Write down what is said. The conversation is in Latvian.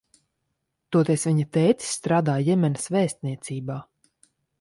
Toties viņa tētis strādā Jemenas vēstniecībā.